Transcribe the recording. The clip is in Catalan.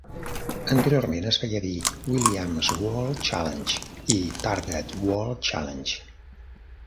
Anteriorment es feien dir Williams World Challenge i Target World Challenge.